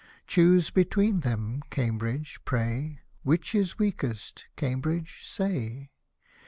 Choose between them, Cambridge, pray, Which is weakest, Cambridge, say.